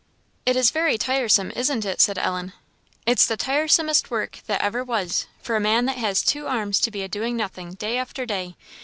"It is very tiresome, isn't it?" said Ellen. "It's the tiresomest work that ever was, for a man that has two arms to be a doing nothing, day after day.